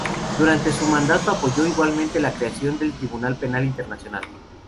Durante su mandato apoyó igualmente la creación del Tribunal Penal Internacional.